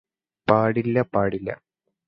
പാടില്ല പാടില്ല